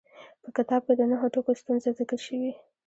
په کتاب کې د نهو ټکو ستونزه ذکر شوې.